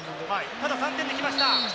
ただ、３点で来ました。